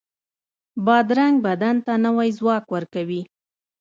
بادرنګ بدن ته نوی ځواک ورکوي.